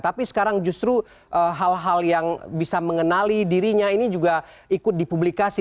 tapi sekarang justru hal hal yang bisa mengenali dirinya ini juga ikut dipublikasi